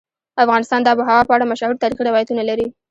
افغانستان د آب وهوا په اړه مشهور تاریخی روایتونه لري.